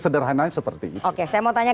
sederhananya seperti itu oke saya mau tanya